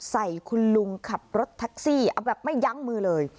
ใส่คุณลุงขับรถแท็กซี่เอาแบบไม่ยั้งมือเลย